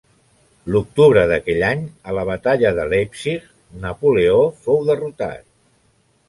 L'octubre d'aquell any, a la Batalla de Leipzig, Napoleó fou derrotat.